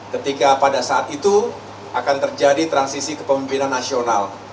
ketika pada saat itu akan terjadi transisi kepemimpinan nasional